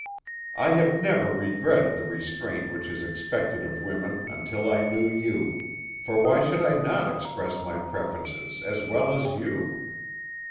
"I have never regretted the restraint which is expected of women until I knew you, for why should I not express my preferences as well as you?